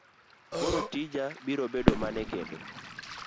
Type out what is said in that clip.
Koro tija biro bedo mane kendo?